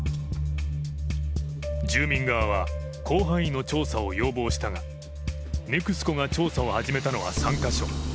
住民側は広範囲の調査を要望したがＮＥＸＣＯが調査を始めたのは３カ所。